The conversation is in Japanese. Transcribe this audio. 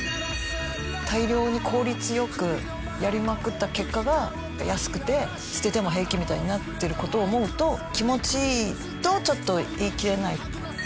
大量に効率良くやりまくった結果が安くて捨てても平気みたいになってる事を思うと気持ちいいとちょっと言いきれない。